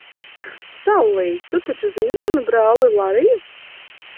Sallij, tu taču zini manu brāli Lariju?